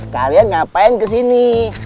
kalian ngapain kesini